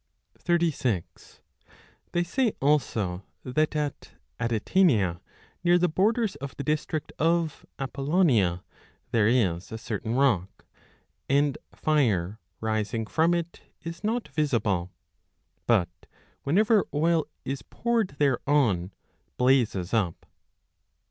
36 They say also that at Atitania, near the borders of the district of Apollonia, there is a certain rock, and fire rising from it is not visible, but whenever oil is poured thereon blazes up.